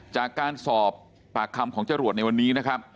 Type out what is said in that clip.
จากการสอบปากคำของเจ้ารวดในวันนี้